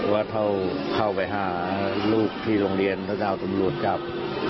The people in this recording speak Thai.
ว่าเขาเข้าไปห้าลูกที่โรงเรียนเดี๋ยวจะเอาสมรวจจับ